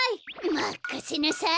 まかせなさい！